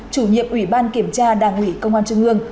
chủ nhiệm ủy ban kiểm tra đảng ủy công an trung ương